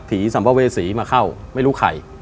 สัมภเวษีมาเข้าไม่รู้ใคร